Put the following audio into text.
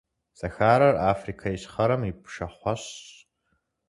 Сахарэр - Африкэ Ищхъэрэм и пшахъуэщӏщ.